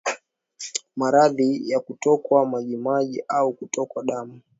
Maradhi ya kutokwa majimaji au kutokwa damu